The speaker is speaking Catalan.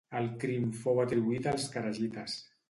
El crim fou atribuït als kharigites.